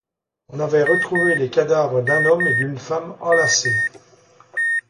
On avait retrouvé les cadavres d’un homme et d’une femme enlacés.